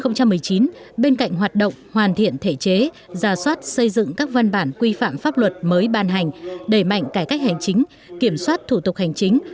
năm hai nghìn một mươi chín bên cạnh hoạt động hoàn thiện thể chế giả soát xây dựng các văn bản quy phạm pháp luật mới ban hành đẩy mạnh cải cách hành chính kiểm soát thủ tục hành chính